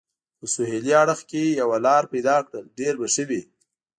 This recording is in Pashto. په سهېلي اړخ کې یوه لار پیدا کړل، ډېر به ښه وي.